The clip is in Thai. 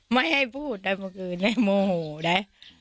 ไม่ให้พูดเมื่อคืนให้โมหูได้